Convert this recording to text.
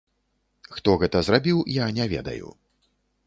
Хто гэта зрабіў, я не ведаю.